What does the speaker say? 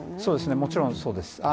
もちろんそうです。